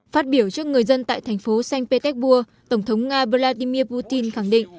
phát biểu trước người dân tại thành phố sanh petersburg tổng thống nga vladimir putin khẳng định